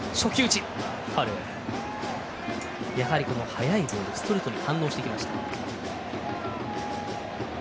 速いボールストレートに反応していきました。